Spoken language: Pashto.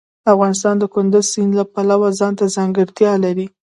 افغانستان د کندز سیند له پلوه ځانته ځانګړتیا لري.